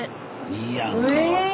いいやんか。